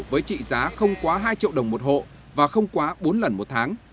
với trị giá không quá hai triệu đồng một hộ và không quá bốn lần một tháng